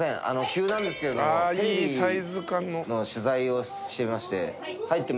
急なんですけどもテレビの取材をしてまして。